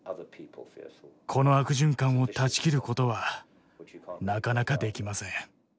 この悪循環を断ち切ることはなかなかできません。